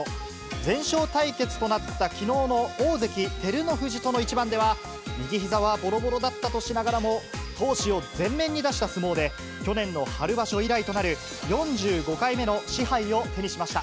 全勝対決となったきのうの大関・照ノ富士との一番では、右ひざはぼろぼろだったとしながらも、闘志を前面に出した相撲で、去年の春場所以来となる４５回目の賜杯を手にしました。